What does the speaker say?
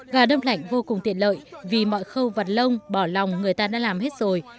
gà đông lạnh vô cùng tiện lợi vì mọi khâu vật lông bỏ lòng người ta đã làm hết rồi